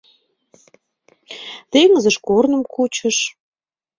Теҥызыш корным кучыш.